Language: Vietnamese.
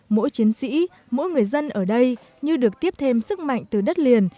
mỗi chiến sĩ mỗi người dân ở đây như được tiếp thêm sức mạnh từ đất liền